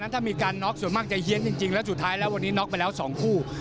ถ้ามีการน็อกส่วนมากจะเฮียนจริงแล้วสุดท้ายแล้ววันนี้น็อกไปแล้ว๒คู่